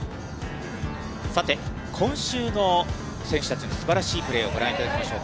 さて、今週の選手たちのすばらしいプレーをご覧いただきましょう。